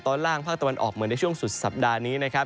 ตอนล่างภาคตะวันออกเหมือนในช่วงสุดสัปดาห์นี้นะครับ